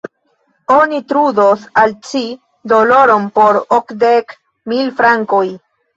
Oni trudos al ci doloron por okdek mil frankoj.